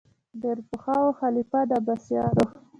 ډېر پخوا وو خلیفه د عباسیانو